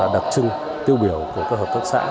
đặc trưng tiêu biểu của các hợp tác xã